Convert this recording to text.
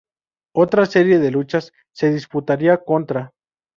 Otra serie de luchas se disputaría contra.